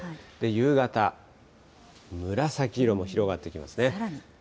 夕方、紫色も広がってきますね。